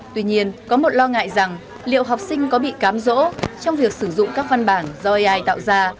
tuy nhiên có một lo ngại rằng liệu học sinh có bị cám dỗ trong việc sử dụng các văn bản do ai tạo ra